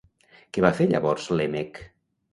Què va fer llavors Lèmec?